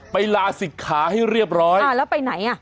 ลาศิกขาให้เรียบร้อยอ่าแล้วไปไหนอ่ะ